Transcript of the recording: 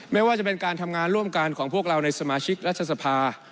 ไม่ว่าจะเป็นการทำงานร่วมกันของพวกเราในสมาชิกรัฐสภา